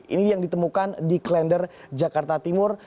ini yang ditemukan di klender jakarta timur